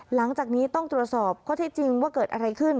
หลังจากนี้ต้องตรวจสอบข้อที่จริงว่าเกิดอะไรขึ้น